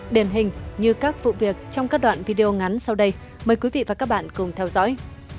điển hình như các vụ việc trong các đoạn video ngắn sau đây mời quý vị và các bạn cùng theo dõi